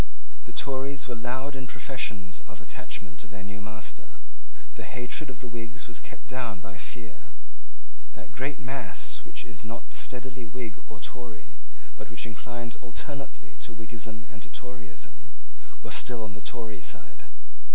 The Tories were loud in professions of attachment to their new master. The hatred of the Whigs was kept down by fear. That great mass which is not steadily Whig or Tory, but which inclines alternately to Whiggism and to Toryism, was still on the Tory side.